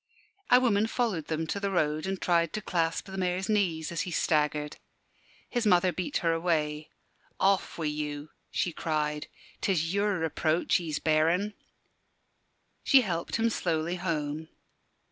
A woman followed them to the road, and tried to clasp the Mayor's knees as he staggered. His mother beat her away. "Off wi' you!" she cried; "'tis your reproach he's bearin'." She helped him slowly home.